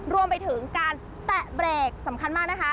รวมไปถึงการแตะเบรกสำคัญมากนะคะ